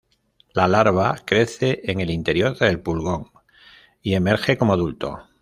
La larva crece en el interior del pulgón y emerge como adulto.